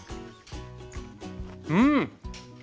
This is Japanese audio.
うん！